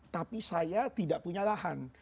tapi saya tidak punya lahan